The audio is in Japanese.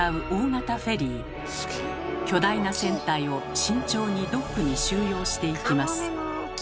巨大な船体を慎重にドックに収容していきます。